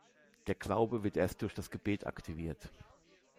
Der Glaube wird erst durch das Gebet aktiviert.